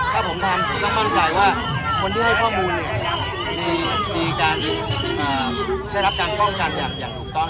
ถ้าผมทำต้องมั่นใจว่าคนที่ให้ข้อมูลเนี่ยมีการได้รับการป้องกันอย่างถูกต้อง